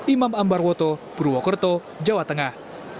imam ambarwoto purwokerto jawa tengah